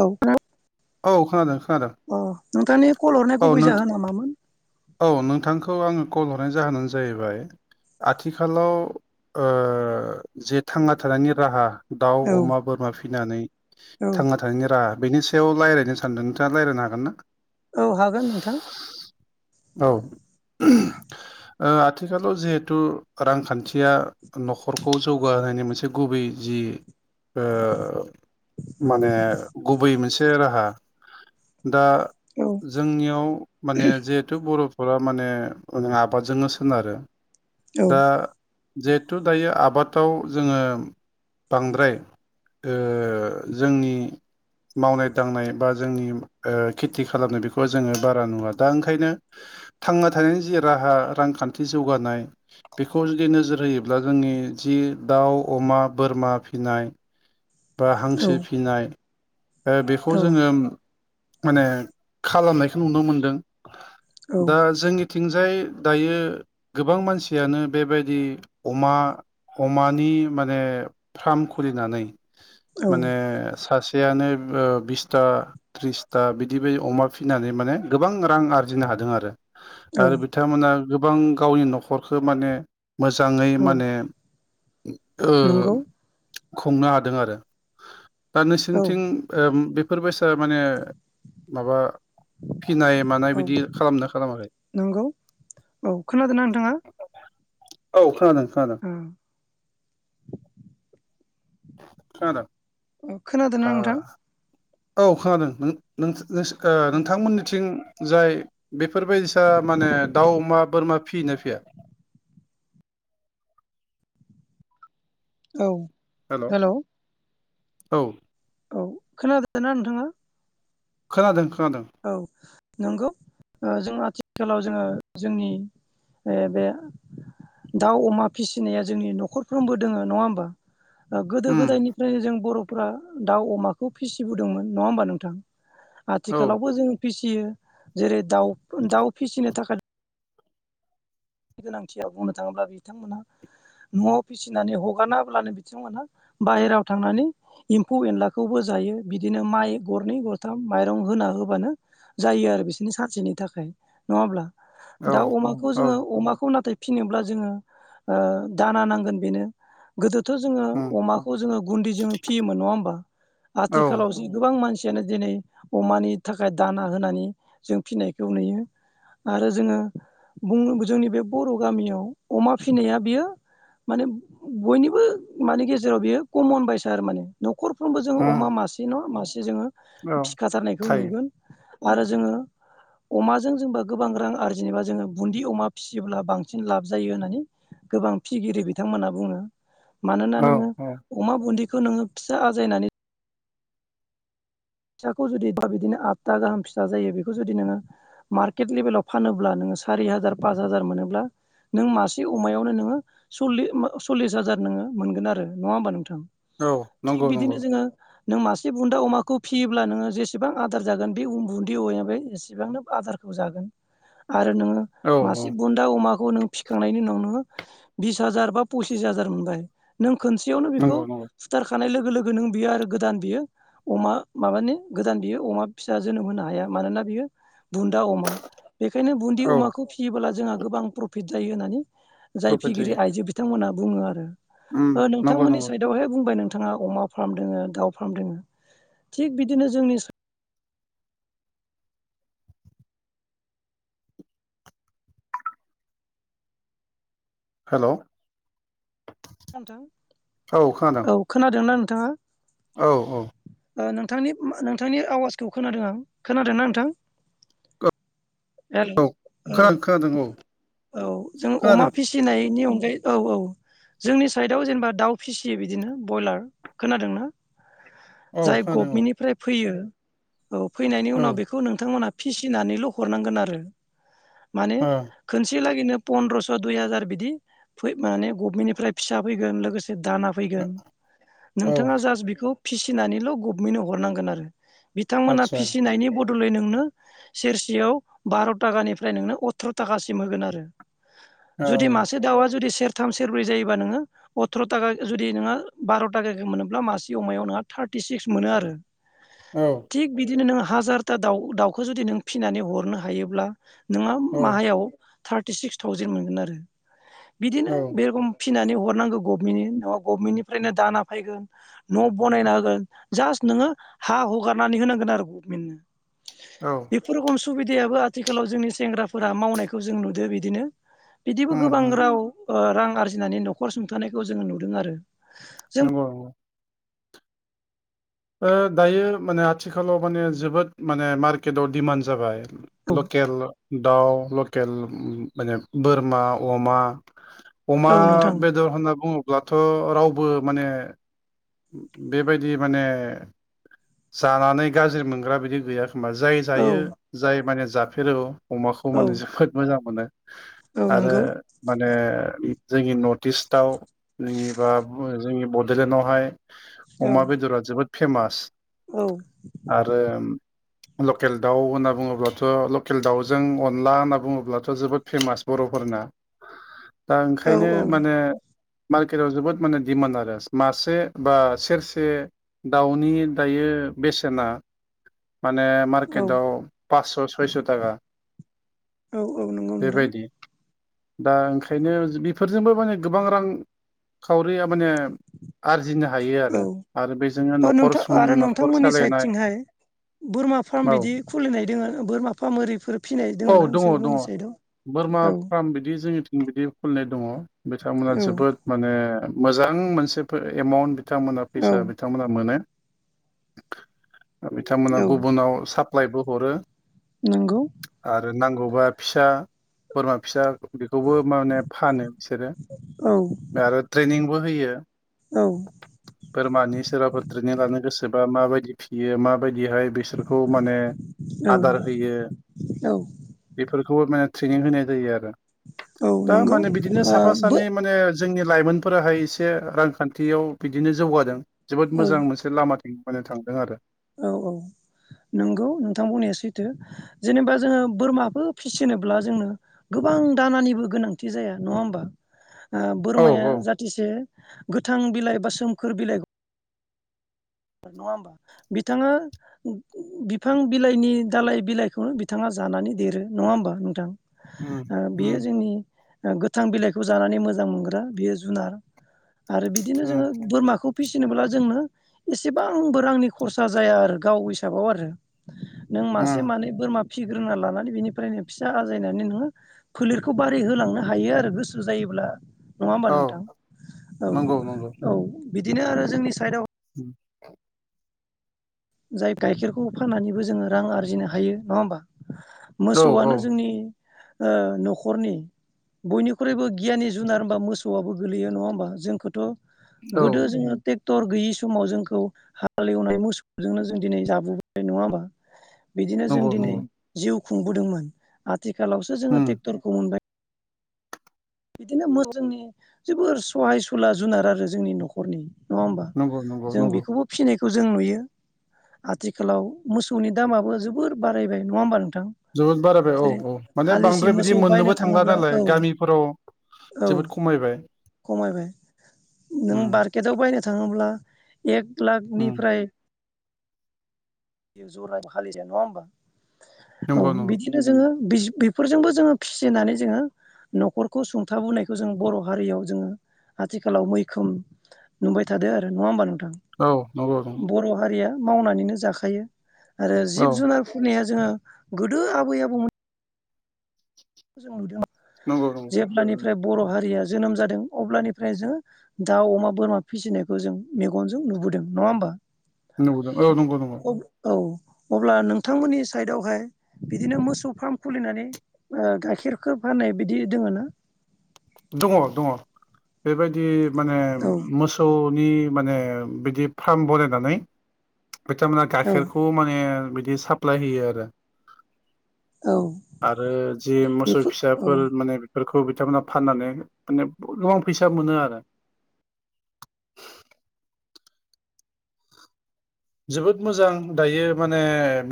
औ। [unintelligible] औ खोनादों खोनादों नोंथांनि कल हरनाय औ गुबै नोंथा जाहोना मामोन? औ नोंथां खौ आङो कल हरनायनि जाहोनानो जाहैबाय आथिखालाव ओ जे थांना थानायनि राहा दाउ औ अमा बोरमा फिनानै औ थांना थानायनि राहा बेनि सा याव लायरायनो सानदों नोंथाङा लायरायनो हागोन ना? औ हागोन नोंथां। औ ओ आथ थिखालाव जेहेथु रांखान्थिया न'खरखौ जौगाहोनायनि मोनसे गुबै जि ओ माने गुबै मोनस से राहा दा औ जोंनियाव माने जेहेथु बर' नखरा माने ओं आबादजोंनो सोनारो औ दा जेहेथु दायो आबादाव जोङो बांद्राय ओ जोंनि मावनाय दांनाय बा जोंनि ओ खेथि खालामनाय बेखौहाय जोङो बारा नुवा दा ओंखायनो थांना थानायनि जि राहा रांखान्थि जौगानाय बेखौ जुदि नोजोर होयोब्ला जोंनि जि इ दाउ अमा बोरमा फिनाय बा औ हांसो फिनाय ओ बेखौ जोङो माने खालामनायखौ नुनो मोनदों। औ दा जोंनि थिंजाय दायो गोबां मानसियानो बेबायदि अमा अमानि माने फार्म खुलिनानै माने औ सासे सेयानो ओ बिसथा थ्रिसथा बिदि बायदि अमा फिनानै माने गोबां रां आरजिनो हा हादों आरो औ आरो बिथांमोना गोबां गावनि न'खरखौ माने मोजाङै औ माने ओ नंगौ खुंनो हा दों आरो दा औ नोंसिनिथिं ओ बेब फोरबायसा माने माबा फिनाय मानाय औ बिदि खालामदोना खालामाखै? नंगौ औ खोनादोंना नोंथाङा? औ खोनादों। खोनादों उम। खोनादों। औ खोनादोंना ओ नोंथां? औ खोनादों नों-नोंसो-नोंसो ओ औ नोंथांमोननिथिं जाय बे फोरबायदिसा माने दाउ अमा बोरमा। फियो ना फिया। औ हेल' हेलौ। औ। औ खोनादों ना नोंथांङा। खोनादों। खोनादों औ। नोंगौ ओ जों आथिखालाव जोंङो जोंनि बे बे। दाउ अमा फिसिनाया जोंनि न'खरफ्रोमबो दोंङो नंङा ओमबा। ओ गोदो उम गोदायनिफ्राय जों बर' ओ दाउ अमाखौ फिसिबोदोंमोन नंङा ओमबा नोंथां औ आथिखालावबो जों फिसियो जेरै दाउ दाउ फिसिनो थाखाय गोनांथियाव बुंनो थांङोब्ला बिथांमोना न'आव फिसिनानै हगारनाहोब्लानो बिथिंमोनहा बाहेरायाव थांनानै एम्फौ एनलाखौबो जायो बिदिनो माइ गरनै गरथाम माइरं होना होबानो जायो आरो बिसोरनि सानसेनि थाखाय। नंङाब्ला औ दाउ अमाखौ औ जोंङो अमाखौ नाथाय फिसिनोब्ला जोंङो ओ दाना नांगोन बेनो गोदो थ' जोंङो उम अमाखौ जोंङो गुनदै जोंङो फियोमोन नंङा होमबा औ आथिखालाबो गोबां मानसि जोंनो दिनै अमानि थाखाय दाना होनानि जों फिनायखौ नुयो। आरो जोंङो बुं जोंनि बे बर' गामियाव अमा फिनाया बेयो माने बयनिबो माने गेजेराव बेयो कमन बायसा आरो माने न' खरफ्रोमबो जोंङो अमा उम मासे नङा मासे जोंङो औ फिखाथारनायखौ थायो नुगोन। आरो जोंङो अमाजों जेनबा गोबां रां आरजिनोबा जोंङो बुन्दि अमा फियोब्ला बांसिन लाब जायो होननानै गोबां फिगिरि बिथांमोनना बुंङो। मानोना औ नोंङो औ अमा बुन्दिखौ नोंङो फिसा आजायनानै फिसाखौ जुदि दा बिदिनो आदथा गाहाम फिसा जायो बेखौ जुदि नोंङो मार्केट लेभेलाव फानोब्ला नों सारि हाजार पास हाजार मोनोब्ला नों मासे अमायावनो नोंङो सल्लि ओ सल्लिस हाजार नोंङो मोनगोन आरो नंङा ओमबा नोंथां? औ थिग नंगौ बिदिनो नंगौ। जोङो नों मासे बुन्दा अमाखौ फियोब्ला नोंङो जेसेबां आदार जागोन बे उ उन्दै औमाया बे इसिबांनो आजारखौ जागोन। आरो नोंङो औ मासे औ बुन्दा अमा खौ नों फिखांनायनि उनाव नो बिस हाजार बा फसिस हाजार मोनबाय नों खोनसेयावनो बेखौ नंगौ नंगौ फुथारखानाय लोगो लोगो नों बियो आरो गोदान बियो अमा माबानि गोदान बियो अमा फिसा जोनोम होनो हाया मानोना बियो बुन्दा अमा बेखायनो बुनदि औ अमाखौ फियोबोब्ला जोंहा गोबां प्रफिट जायो होननानै‌ जाय प्रफिट फिगिरि जायो आइजो बिथांमोना बुंङो आरो उम ओ नंगौ नोंथांमोननि नंगौ साइदआवहाय बुंबाय नों थांङा अमा फार्म दोंङो दाउ फार्म दोंङो थिग बिदिनो जोंनिस हेलौ खोनादों औ खोनादोंना नोंथांङा? औ औ ओ नोंथांनि नोंथांनि आवासखौ खोनादों आं खोनादोंना नोंथां? हेल' औ औ खोनादों खोनादों औ औ जों अमा खोनादों फिसिनायनि अन बे औ औ जोंनि साइदआव जेनेबा दाउ फिसियो बिदिनो बयलार खोनादोंना? औ जाय खोनादों औ गभमेन्टनिफ्राय फैयो औ फैनायनि औ उनाव बेखौ नोंथांमोना फिसिनानैल हरनांगोन आरो। माने ओ खोनसे लागैनो पन्द्रस' दुइ हाजार बिदि फै माने गभमेन्टनिफ्राय फिसा फैगोन लोगोसे दाना फैगोन औ नोंथांङा जास्ट बेखौ फिसिनानैल' गभमेन्टनो हरनांगोन आरो बिथांमोना आदसा फिसिनायनि बद बदलै नोंनो सेरसेयाव बार' ताखानिफ्राय नोंनो अथ्र थाखासिम होगोन आरो। जुदि औ मासे दाउआ जुदि सेरथाम सेरब्रै जायो बा नोंङो अथ्र' थाखा जुदि नोंङहा बार' थाखा मोनोब्ला मासे अमायाव नोंहा थार्टिसिक्स मोनो आरो। औ थिग बिदिनो नों हाजारथा दाउ दाउखौ जुदि नों फिसिनानै हरनो हायोब्ला नोंहा औ माहायाव थार्टि सिक्स थावजेेन मोनगोन आरो बिदिनो औ बेरखम फिनानै हरनांगौ गभमेन्टनि नंङा गभमेन्टनिफ्रायनो दाना फैगोन न' बनायना होगोन जास्ट नोंङो हा हगारनानै होनांगोन आरो औ गभमेन्टनो। बेफोर रखम सुबिदायाबो आथिखालाव जोंनि सेंग्राफोरा मावनायखौ जों नुदो बिदिनो। बिदिबो उम गोबां राव ओ रां आरजिनानै न'खर सुंथानायखौ जोंङो नुदों आरो। जों नंगौ नंगौ ओ दायो माने आथिखालाव माने जोबोद माने मार्केटाव दिडमान्ड जाबाय। औ लकेल दाउ लकेल माने बोरमा अमा अमा औ नोंथां बेदर होनना बुंङो ब्लाथ' रावबो माने बेबायदि माने जानानै गाज्रि मोनग्रा बिदि गैया। एखबा जाय औ जायो जाय माने जाफेरो अमाखौ औ माने जोबोद मोजां मोनो। औ आरो नंगौ माने जोंनि नर्थ इस्ट दाव जेनिबा जोंनि बड'लेण्डआवहाय औ अमा बेदरा जोबोद फेमास औ आरो लकेल दाउ होनना बुंङोब्लाथ' लकेल दाउजों अनला होनना बुंङोब्लाथ' जोबोद फेमास बर'फोरना। दा औ ओंखायनो औ माने मार्केटाव जोबोद माने डिमान्ड आरो मासे बा सेरसे दाउनि दायो बेसेना माने औ मार्केटाव पासस' सयस' थाखा औ औ नंगौ नोंथां। बेबायदि दा ओंखायनो बेफोरजोंबो माने गोबां रां खावरिया माने आरजि औ औ नोंथां सुं आरो न'खर नोंथांमोननि सालायनाय साइदथिंहाय बोरमा फार्म औ बिदि खुलिनाय दोङ बोरमा फार्म ओरफोर फिनाय औ दंङ ना दङ दङ नोंसोरनि साइदआव बोरमा फार्म बिदि जोंनि बिदि खुलिनाय दंङ बिथांमोना औ जोबोद माने मोजां मोनसे एमाउन्ट बिथांमोना औ फैसा बिथांमोना मोनो। बिथांमोना गुबुनाव साप्लाायबो हरो।। नोंगौ आरो नांगौबा फिसा बोरमा फिसा बेखौबो माने फानो बिसोरो औ आरो ट्रेनिंबो होयो। औ बोरमानि सोरबाफोर ट्रेनिं लानो गोसोबा माबायदि फियो माबायदि बिहाय बिसोरखौ माने औ आदार होयो औ बेफ खौ माने ट्रेनिं होनाय जायो आरो औ दा नंगौ माने बिदिनो ओ साफा बो सानै माने जोंनि लाइमोनफोराहाय एसे रांखान्थियाव बिदिनो जौगादों जोबोद औ मोजां मोनसे लामा मोनो थांदों आरो औ औ नंगौ नोंथां बुंनाया सैथो जेनेबा जोंङो बोरमाखौ फिसिनोब्ला जोंनो गोबां गोबां दानानिबो गोनांथि जाया नङा होमबा। ओ औ बोरमाया औ जाहाथेसे गोथां बिलाइ बा सोमखोर बिलाइ नङा होमबा बिथाङा बिफां बिलाइनि दालाइ बिलाइखौनो बिथाङा जानानै देरो नङा होनबा नोंथां उम ओ बि उम जोंनि गोथां बिलाइखौ जानानै मोजां मोनग्रा बियो जुनार आरो उम बिदिनो बोरमाखौ फिसिनोब्ला जोंनो एसेबांबो रांनि खरसा जाया आरो गाव हिसाबाव आरो नों मासे उम मानै बोरमा फिसिग्रोना लानानै बेनिफ्रायनो फिसा आजायनानै नोङो फोलिरखौ बारै होलांनो हायो आरो गोसो जायो ब्ला नङा होनबा औ नोंथां औ नंगौ नंगौ औ बिदिनो आरो जोंनि साइत [inaudible] जाय गाइखेरखौ फाननानैबो जोङो रां आरजिनो हायो नङा होमबा। औ मोसौआनो औ जोंनि ओ न'खरनि बयनिख्रुइबो गियानि जुनार होनबा मोसौआबो गोलैयो नङा होमबा जोंखौथ' औ गोदो जोङो ट्रेक्टर गैयि समाव जोंखौ हालेवनाय मोसौ जोंनो जों दिनै जाबोबाय नङा होमा बिदिनो जों नंगौ दिनै नंगौ जिउ खुंबोदोंमोन आथिखालावसो उम जोङो ट्रेक्ट'रखौ मोनबाय। बिदिनो मो जोंनि जोबोर सहाय सुला जुनार आरो जोंनि न'खरनि। नङा होमबा नंगौ नंगौ जों नंगौ बेखौबो फिसि खौ जों नुयो आथिखालाव मोसौनि दामाबो जोबोर बारायबाय नङा होमबा नों थां जोबोद बारायबाय औ जेरै औ माने हालिसे बांद्राय बिदि मोसौ बायनो मोननोबो थांला थाङोब्ला नालाय औ गामिफोराव औ जोबोद खमायबाय खमायबाय नों उम बार्केटआव बायनो थाङोब्ला एक उम लाखनिफ्राय जरा हालिजाया नङा होमबा नंगौ औ नंगौ बिदिनो जोङो बेस बेफोरजोंबो जोङो फिसिनानै जोङो न'खरखौ सुंथाबोनायखौ जों बर' हारियाव जोङो आथिखालाव मैखोम नुबाय थादो आरो नङा होमबा नों था औ नंगौ नंगौ बर' हारिया मावनानैनो जाखायो आरो औ जिब-जुनारफोरनिया जोङो गोदो आबै-आबौमोन जों नुदों नंगौ नंगौ ओमफ्राय बर' हारिया जोनोम जादों अब्लानिफ्राय जोङो दाउ, अमा, बोरमा फिसिनायखौ जों मेगनजों नुबोदों नङा होमबा नंगौदों औ नंगौ नंगौ औ अब्ला नोंथांमोननि साइदआवहाय बिदिनो मोसौ फार्म खुलिनानै ओ गाइखेरखो फाननाय बिदि दोङो ना दङ-दङ बेबायदि माने औ मोसौ नि माने बिदि फार्म बनायनानै बिथांमोना औ गाइखेरखौ माने बिदि साप्लाय होयो आरो औ आरो जि मोसौ बेफोर फिसाफोर औ माने बेफोरखौ बिथांमोना फाननानै माने गोबां फैसा मोनो आरो जोबोद मोजां दायो माने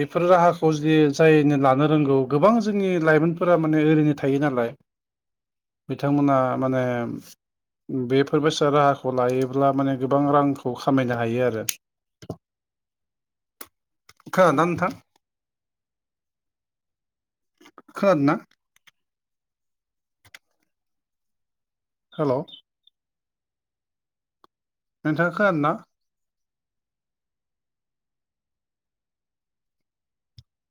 बेफोर राहाखौ जुदि जायनो लानो रोंगौ गोबां जोंनि लाइमोनफोरा माने ओरैनो थायो नालाय बिथांमोना माने बेफोर बेसा राहाखौ लायोब्ला माने गोबां रांखौ खामायनो हायो आरो खोनादोना नोंथां? खोनादो ना हेलौ नोंथां खोनादो ना